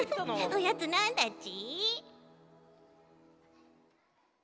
おやつなんだち？